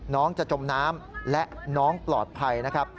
น้องจะจมน้ำและน้องปลอดภัยนะครับ